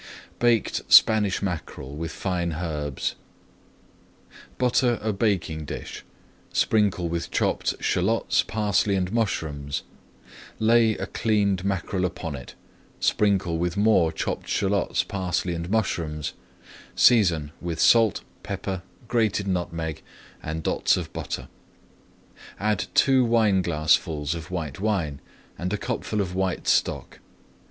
BAKED SPANISH MACKEREL WITH FINE HERBS Butter a baking dish, sprinkle with chopped shallots, parsley and mushrooms, lay a cleaned mackerel upon it, sprinkle with more chopped shallots, parsley and mushrooms, season with [Page 223] salt, pepper, grated nutmeg, and dots of butter. Add two wineglassfuls of white wine and a cupful of white stock.